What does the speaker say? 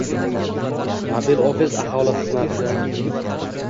“Mobil ofis” aholi xizmatidang